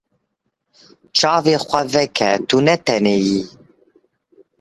Çavê xwe veke tu ne tenê yî.